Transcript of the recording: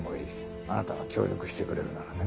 あなたが協力してくれるならね。